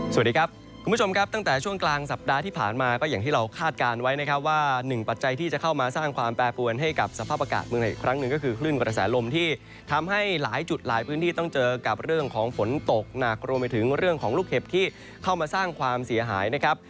สวัสดีครับคุณผู้ชมครับตั้งแต่ช่วงกลางสัปดาห์ที่ผ่านมาก็อย่างที่เราคาดการณ์ไว้นะครับว่าหนึ่งปัจจัยที่จะเข้ามาสร้างความแปรปวนให้กับสภาพอากาศเมืองไหนอีกครั้งหนึ่งก็คือคลื่นกระแสลมที่ทำให้หลายจุดหลายพื้นที่ต้องเจอกับเรื่องของฝนตกหนักรวมไปถึงเรื่องของลูกเห็บที่เข้ามาสร้างความเสียหายนะครับ